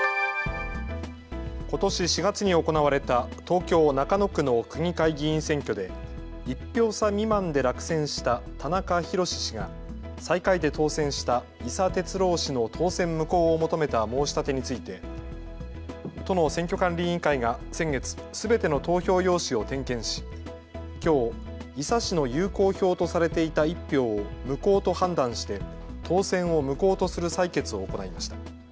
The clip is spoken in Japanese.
ことし４月に行われた東京中野区の区議会議員選挙で１票差未満で落選した田中裕史氏が最下位で当選した井佐哲郎氏の当選無効を求めた申し立てについて都の選挙管理委員会が先月、すべての投票用紙を点検しきょう井佐氏の有効票とされていた１票を無効と判断して当選を無効とする裁決を行いました。